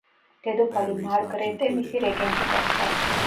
დედოფალი მარგრეტე მისი რეგენტი გახდა.